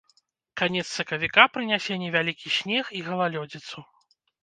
Канец сакавіка прынясе невялікі снег і галалёдзіцу.